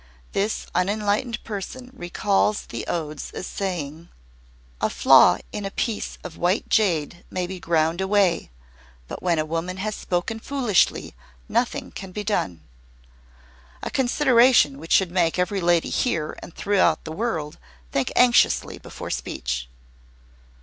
This unenlightened person recalls the Odes as saying: 'A flaw in a piece of white jade May be ground away, But when a woman has spoken foolishly Nothing can be done ' a consideration which should make every lady here and throughout the world think anxiously before speech."